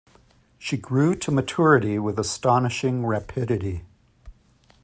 She grew to maturity with astonishing rapidity.